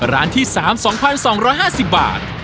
ร้านที่๓๒๒๕๐บาท